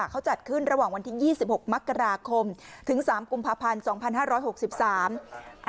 เขาจัดขึ้นระหว่างวันที่ยี่สิบหกมกราคมถึงสามกุมภาพันธ์สองพันห้าร้อยหกสิบสาม